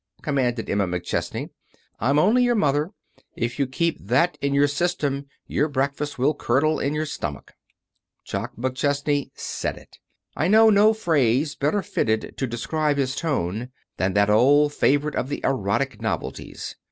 commanded Emma McChesney. "I'm only your mother. If you keep that in your system your breakfast will curdle in your stomach." Jock McChesney said it. I know no phrase better fitted to describe his tone than that old favorite of the erotic novelties.